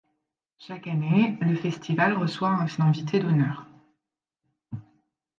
Chaque année, le festival reçoit un invité d'honneur.